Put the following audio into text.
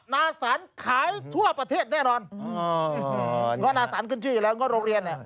น่าสันขายทั่วประเทศแน่นอนอ๋อน่าสันขึ้นชื่ออยู่แล้วก็โรงเรียนเนี่ย